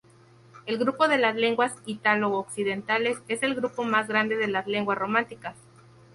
El grupo de lenguas italo-occidentales es el grupo más grande de las lenguas románicas.